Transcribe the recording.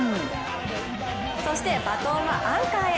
そしてバトンはアンカーへ。